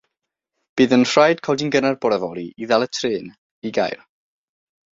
Bydd yn rhaid codi'n gynnar bore fory i ddal y trên i Gaer.